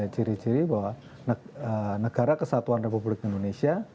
ciri ciri bahwa negara kesatuan republik indonesia